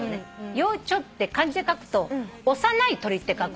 幼鳥って漢字で書くと「幼い鳥」って書くの。